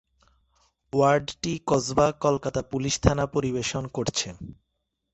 ওয়ার্ডটি Kasba Kolkata police থানা পরিবেশন করছে।